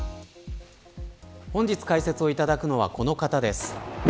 本日解説をいただくのはこの方です。